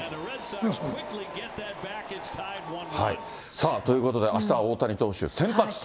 さあ、ということであしたは大谷選手、先発と。